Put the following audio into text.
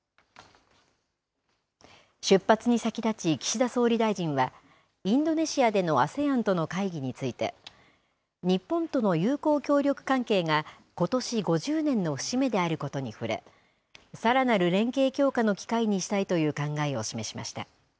出発に先立ち、岸田総理大臣は、インドネシアでのＡＳＥＡＮとの会議について、日本との友好協力関係がことし５０年の節目であることに触れ、さらなる連携強化の機会にしたいという考えを示しました。